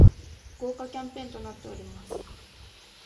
豪華キャンペーンとなっております